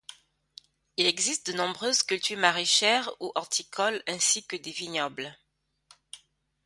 Il existe de nombreuses cultures maraîchères ou horticoles ainsi que des vignobles.